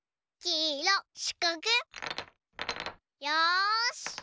よし！